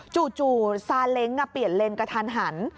จู่ซาเล้งเปลี่ยนเลนกระทันหัน